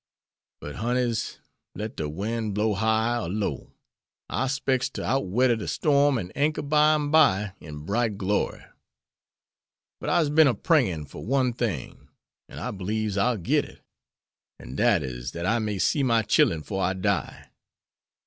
But, honeys, let de wind blow high or low, I 'spects to outwedder de storm an' anchor by'm bye in bright glory. But I'se bin a prayin' fer one thing, an' I beliebs I'll git it; an' dat is dat I may see my chillen 'fore I die.